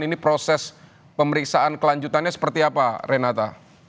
ini proses pemeriksaan kelanjutannya seperti apa renata